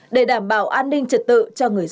để đảm bảo an ninh trật tự cho người dân